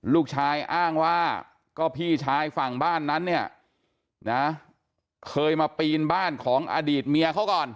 ลูกชายอ้างว่าก็พี่ชายฝั่งบ้านนั้นเนี่ยนะเคยมาปีนบ้านของอดีตเมียเขาก่อน